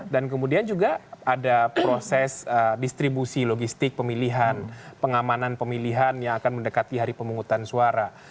dan kemudian juga ada proses distribusi logistik pemilihan pengamanan pemilihan yang akan mendekati hari pemutaran suara